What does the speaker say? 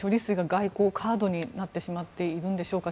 処理水が外交カードになってしまっているんでしょうか